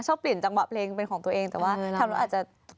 ชอบเปลี่ยนจังหวะเพลงเป็นของตัวเองแต่ว่าทำแล้วอาจจะ